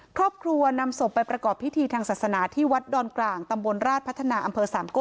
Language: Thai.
ครอบครัวนำศพไปประกอบพิธีทางศาสนาที่วัดดอนกลางตำบลราชพัฒนาอำเภอสามโก้